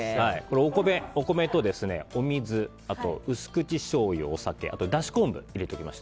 お米とお水、薄口しょうゆ、お酒あとだし昆布を入れています。